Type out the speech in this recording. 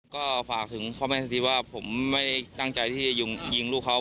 ก็ฝากถึงพ่อแม่ทันทีว่าผมไม่ได้ตั้งใจที่ยิงลูกเขา